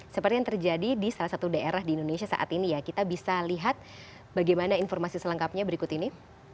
seperti yang terjadi di salah satu daerah di indonesia saat ini ya kita bisa lihat bagaimana informasi selengkapnya berikut ini